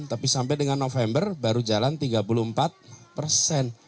tapi sampai dengan november baru jalan tiga puluh empat persen